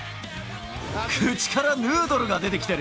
口からヌードルが出てきてる。